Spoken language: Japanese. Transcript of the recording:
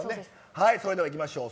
それではいきましょう。